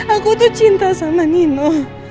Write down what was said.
aku tuh cinta sama nino